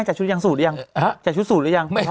จัดชุดอย่างสูตรหรือยัง